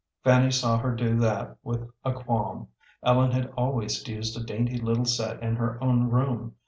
Fanny saw her do that with a qualm. Ellen had always used a dainty little set in her own room.